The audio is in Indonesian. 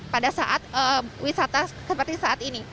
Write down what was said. pada saat wisata seperti saat ini